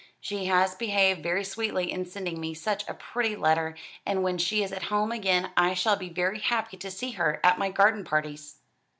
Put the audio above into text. She has behaved very sweetly in sending me such a pretty letter; and when she is at home again I shall be very happy to see her at my garden parties."